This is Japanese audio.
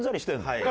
はい。